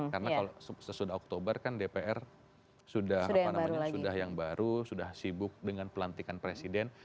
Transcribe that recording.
karena kalau sesudah oktober kan dpr sudah yang baru sudah sibuk dengan pelantikan presiden